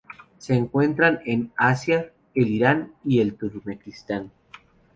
Se encuentran en Asia: el Irán y el Turkmenistán.